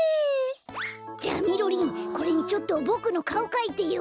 じゃみろりんこれにちょっとボクのかおかいてよ！